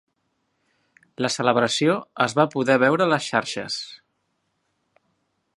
La celebració es va poder veure a les xarxes